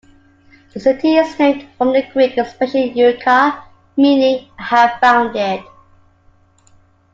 The city is named from the Greek expression Eureka, meaning "I have found it".